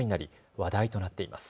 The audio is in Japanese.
話題となっています。